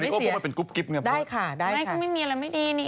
ไหนที่ไม่มีอะไรไม่ดี